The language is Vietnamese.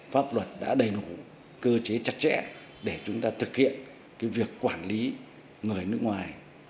pháp luật đã đầy đủ cơ chế chặt chẽ để chúng ta thực hiện việc quản lý người nước ngoài